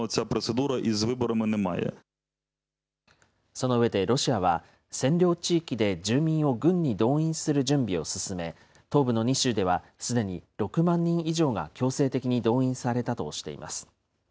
その上で、ロシアは、占領地域で住民を軍に動員する準備を進め、東部の２州ではすでに６万人以上が強制的に動員されたとしています。